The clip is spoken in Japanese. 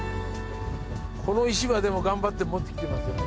この石は頑張って持ってきてますよね。